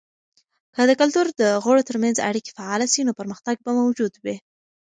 که د کلتور د غړو ترمنځ اړیکې فعاله سي، نو پرمختګ به موجود وي.